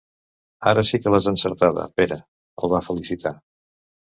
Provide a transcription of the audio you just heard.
Ara sí que l'has encertada, Pere —el va felicitar—.